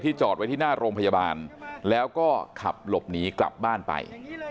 จอดไว้ที่หน้าโรงพยาบาลแล้วก็ขับหลบหนีกลับบ้านไป